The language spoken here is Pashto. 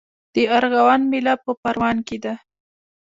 د ارغوان میله په پروان کې ده.